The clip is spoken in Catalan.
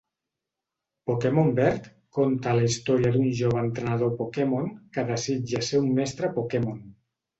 Pokémon Verd conta la història d'un jove entrenador Pokémon que desitja ser un mestre Pokémon.